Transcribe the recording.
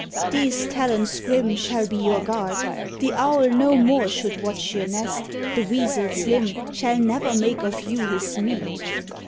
"These talons grim Shall be your guard; the Owl no more Should watch your nest; the Weasel slim Shall never make of you his meat."